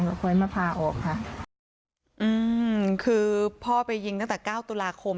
ขอให้มาพาออกค่ะอืมคือพ่อไปยิงตั้งแต่เก้าตุลาคม